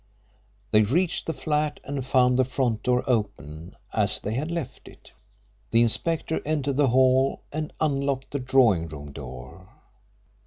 They reached the flat and found the front door open as they had left it. The inspector entered the hall and unlocked the drawing room door.